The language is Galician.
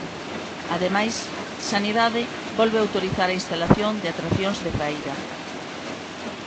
Ademais, Sanidade volve autorizar a instalación de atraccións de feira.